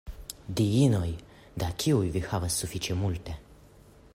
Diinoj, da kiuj vi havas sufiĉe multe.